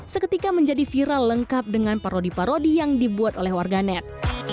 seketika menjadi viral lengkap dengan parodi parodi yang dibuat oleh warganet